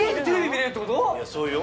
そうよ。